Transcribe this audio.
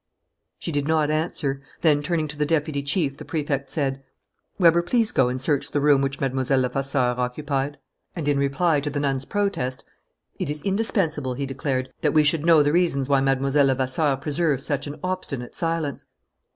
She did not answer. Then, turning to the deputy chief, the Prefect said: "Weber, please go and search the room which Mlle. Levasseur occupied." And, in reply to the nun's protest: "It is indispensable," he declared, "that we should know the reasons why Mlle. Levasseur preserves such an obstinate silence."